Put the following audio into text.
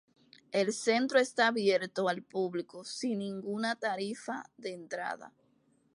El centro está abierto al público sin ninguna tarifa de entrada..